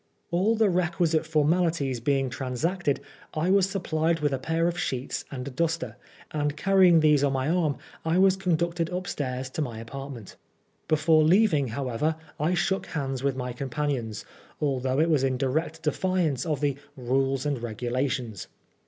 All the requisite formalities being transacted, I was supplied with a pair of sheets and a duster; and carrying these on my arm, I was conducted upstairs to my apartment. Before leaving, however, I shook hands with my companions, although it was in direct defiance of the " rules and regulations."